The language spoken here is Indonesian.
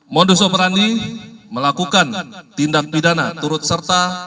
modus operandi melakukan tindak pidana turut serta